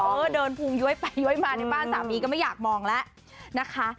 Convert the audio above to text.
เออเดินภูมิย้วยไปย้วยมาในบ้านสามีก็ไม่อยากมองแล้วนะคะ